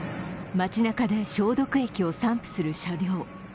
街なかで消毒液を散布する車両。